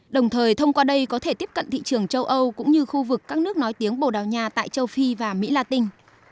đồng thời thông qua đây có thể tiếp cận thị trường châu âu cũng như khu vực các nước nói tiếng bồ đào nha tại châu phi và mỹ la tinh